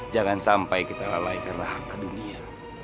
jangan sampai kita lalai karena harta dunia